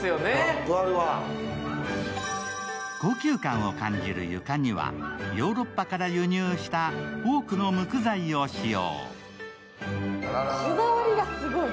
高級感を感じる床には、ヨーロッパから輸入したオークのむく材を使用。